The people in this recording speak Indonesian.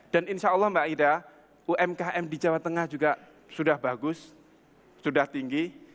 dan insyaallah mbak ida umkm di jawa tengah juga sudah bagus sudah tinggi